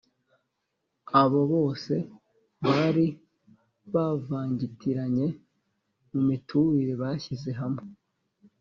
Abo bose bari bavangitiranye mu miturire bashyize hamwe.